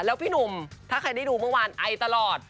แล้วพี่หนุ่มถ้าใครได้ดูเมื่อวานไอตลอด